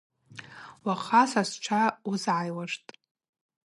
Уахъа сасчва уызгӏайуаштӏ.